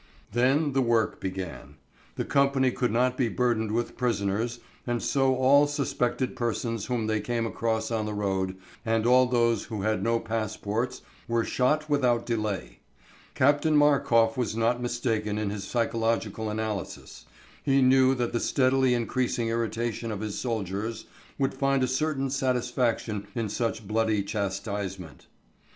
Then the work began. The company could not be burdened with prisoners, and so all suspected persons whom they came across on the road, and all those who had no passports, were shot without delay. Captain Markof was not mistaken in his psychological analysis; he knew that the steadily increasing irritation of his soldiers would find a certain satisfaction in such bloody chastisement.